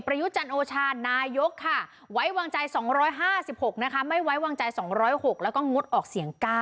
ประยุจรรโอชานายกค่ะเบ